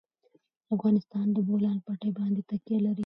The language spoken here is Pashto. افغانستان په د بولان پټي باندې تکیه لري.